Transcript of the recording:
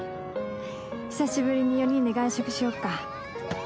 久しぶりに４人で外食しようか。